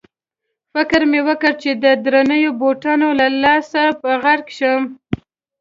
فکر مې وکړ چې د درنو بوټانو له لاسه به غرق شم.